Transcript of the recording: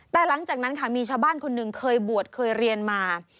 แต่หลังจากนั้นค่ะมีชาวบ้านคนหนึ่งเคยบวชเคยเรียนมา